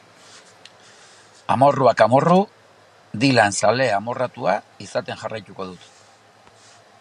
Amorruak amorru, Dylan zale amorratua izaten jarraituko dut.